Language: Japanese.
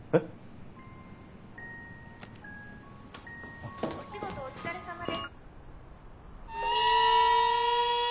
「お仕事お疲れさまです」。